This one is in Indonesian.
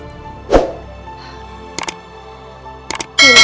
sampai jumpa lagi